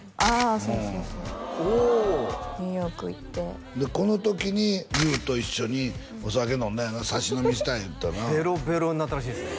そうそうそうニューヨーク行ってでこの時に優と一緒にお酒飲んだんよなサシ飲みしたんやったなベロベロになったらしいですね